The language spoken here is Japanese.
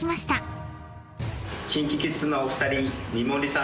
ＫｉｎＫｉＫｉｄｓのお二人三森さん